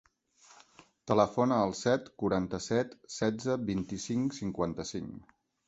Telefona al set, quaranta-set, setze, vint-i-cinc, cinquanta-cinc.